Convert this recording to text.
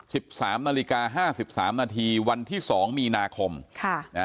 สิบสามนาฬิกาห้าสิบสามนาทีวันที่สองมีนาคมค่ะนะฮะ